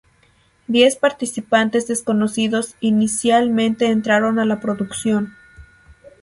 Diez participantes desconocidos inicialmente entraron a la producción.